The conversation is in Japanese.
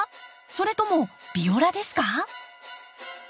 それともビオラですか？